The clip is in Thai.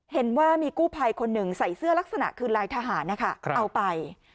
เห็นว่ามีกู้ภัยคนหนึ่งใส่เสื้อลักษณะคือลายทหารนะคะเอาไป